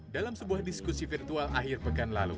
dalam sebuah diskusi virtual akhir pekan lalu